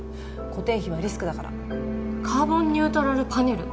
固定費はリスクだからカーボンニュートラルパネル？